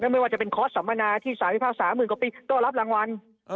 ไม่ว่าจะเป็นคอร์สสัมมนาที่สารพิพากษาหมื่นกว่าปีก็รับรางวัล